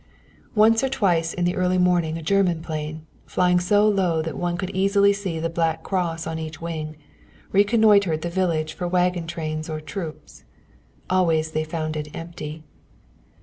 Once or twice in the early morning a German plane, flying so low that one could easily see the black cross on each wing, reconnoitered the village for wagon trains or troops. Always they found it empty.